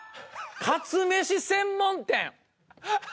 かつめし専門店ハハハ！